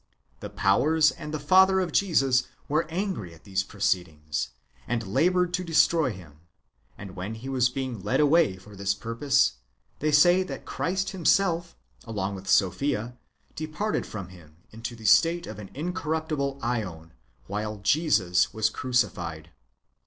The powers and the father of Jesus were angry at these proceedings, and laboured to destroy him; and when he was being led away for this purpose, they say that Christ himself, along with Sophia, departed from him into the state of an incorruptible ^on, while Jesus was crucified.